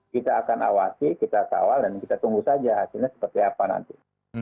kita akan awasi kita kawal dan kita tunggu saja hasilnya seperti apa nanti